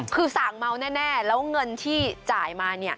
คือสั่งเมาแน่แล้วเงินที่จ่ายมา